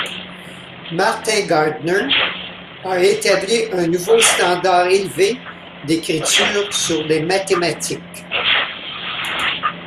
Martin Gardner a établi un nouveau standard élevé d'écriture sur les mathématiques.